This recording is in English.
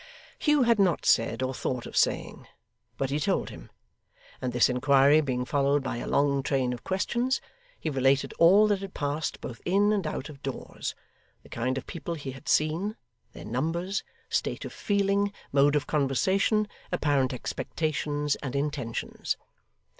Hugh had not said or thought of saying, but he told him; and this inquiry being followed by a long train of questions, he related all that had passed both in and out of doors, the kind of people he had seen, their numbers, state of feeling, mode of conversation, apparent expectations and intentions.